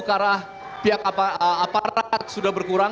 karena pihak aparat sudah berkurang